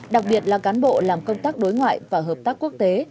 đặc biệt là cán bộ làm công tác đối ngoại và hợp tác quốc tế